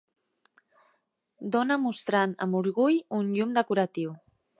Dona mostrant amb orgull un llum decoratiu